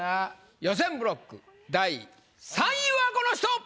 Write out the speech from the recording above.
予選ブロック第３位はこの人！